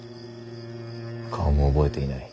顔も覚えていない。